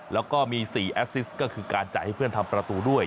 แล้วก็มี๔แอสซิสก็คือการจ่ายให้เพื่อนทำประตูด้วย